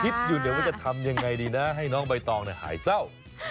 คิดอยู่เดี๋ยวว่าจะทำยังไงดีนะให้น้องใบตองหายเศร้า